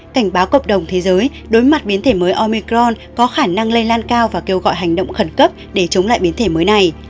cảnh báo cộng đồng thế giới đối mặt biến thể mới omicron có khả năng lây lan cao và kêu gọi hành động khẩn cấp để chống lại biến thể mới này